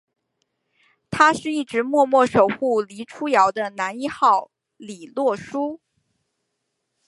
他是一直默默守护黎初遥的男一号李洛书！